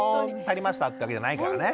足りましたってわけじゃないからね。